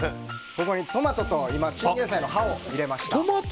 トマトとチンゲンサイの葉を入れました。